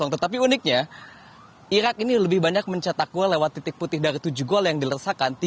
tetapi uniknya irak ini lebih banyak mencetak gol lewat titik putih dari tujuh gol yang dilesakan